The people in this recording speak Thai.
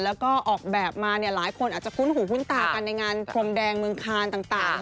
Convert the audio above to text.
แล้วก็ออกแบบมาหลายคนอาจจะคุ้นหูคุ้นตากันในงานพรมแดงเมืองคานต่าง